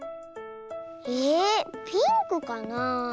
えピンクかなあ？